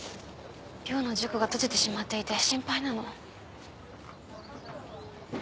亮の塾が閉じてしまっていて心配なの。